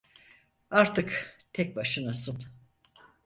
Artık tek başınasın.